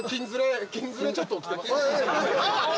金ズレちょっと起きてます